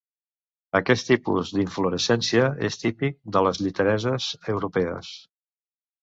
Aquest tipus d'inflorescència és típic de les lletereses europees.